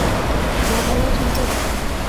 মা ভালো আছেন তো?